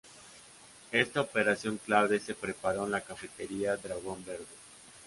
Esta operación clave se preparó en la cafetería "Dragón verde".